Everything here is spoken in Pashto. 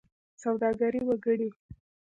سوداګري وکړئ